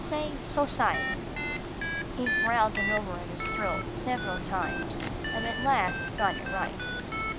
"Say 'society.'" He growled it over in his throat several times, and at last got it right.